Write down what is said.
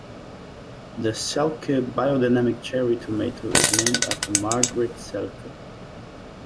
The Selke Biodynamic cherry tomato is named after Margrit Selke.